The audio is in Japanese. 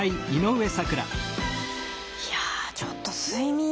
いやちょっと睡眠。